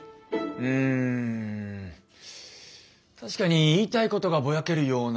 うん確かに言いたいことがぼやけるような。